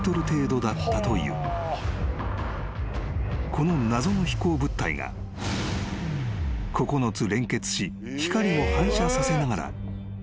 ［この謎の飛行物体が９つ連結し光を反射させながら］